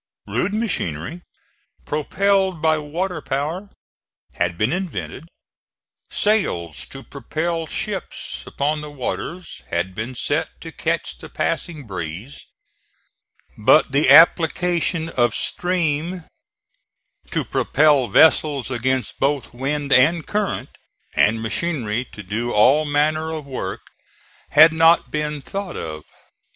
Rude machinery, propelled by water power, had been invented; sails to propel ships upon the waters had been set to catch the passing breeze but the application of stream to propel vessels against both wind and current, and machinery to do all manner of work had not been thought of.